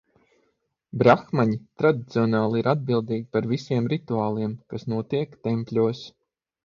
Brahmaņi tradicionāli ir atbildīgi par visiem rituāliem, kas notiek tempļos.